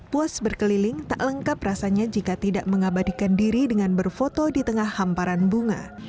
puas berkeliling tak lengkap rasanya jika tidak mengabadikan diri dengan berfoto di tengah hamparan bunga